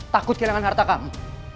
takut kehilangan harta kamu